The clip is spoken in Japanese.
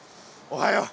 おはよう。